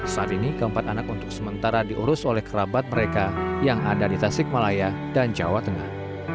saat ini keempat anak untuk sementara diurus oleh kerabat mereka yang ada di tasik malaya dan jawa tengah